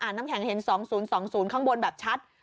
อะไรบ้างอ่านน้ำแข็งเห็น๒๐๒๐ข้างบนแบบชัด